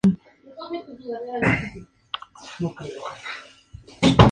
Los restos de muebles de piedra son evidentes en el interior.